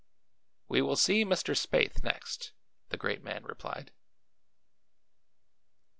"We will see Mr. Spaythe next," the great man replied.